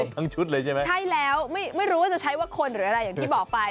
ทั้งชุดเลยใช่ไหมใช่แล้วไม่รู้ว่าจะใช้ว่าคนหรืออะไรอย่างที่บอกไป